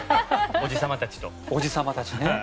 おじさまたちと。